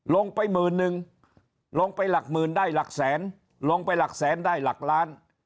ลงไปหมื่นนึงลงไปหลักหมื่นได้หลักแสนลงไปหลักแสนได้หลักล้าน